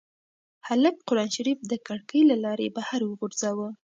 هلک قرانشریف د کړکۍ له لارې بهر وغورځاوه.